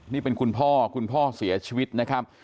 นี่เป็นคุณพ่อคุณพ่อเสียชีวิตนะครับ